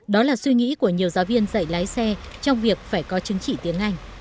đó là suy nghĩ của nhiều giáo viên dạy lái xe trong việc phải có chứng chỉ tiếng anh